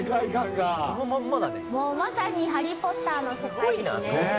「まさにハリー・ポッターの世界ですね」